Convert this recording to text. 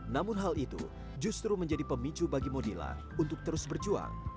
namun hal itu justru menjadi pemicu bagi modila untuk terus berjuang